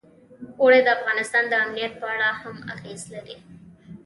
اوړي د افغانستان د امنیت په اړه هم اغېز لري.